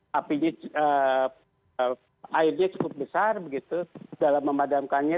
tapi airnya cukup besar dalam memadamkannya